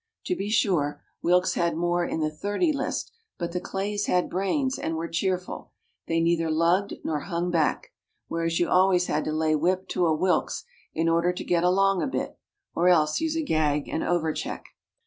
To be sure, Wilkes had more in the 'thirty list, but the Clays had brains, and were cheerful; they neither lugged nor hung back, whereas you always had to lay whip to a Wilkes in order to get along a bit, or else use a gag and overcheck.